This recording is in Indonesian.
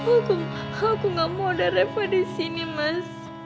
aku gak mau udah refah di sini mas